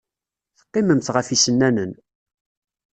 Teqqimemt ɣef yisennanen.